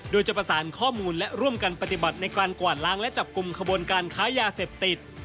โดยจะประสานข้อมูลและร่วมกันปฏิบัติในการกวาดล้างและจับกลุ่มขบวนการค้ายาเสพติด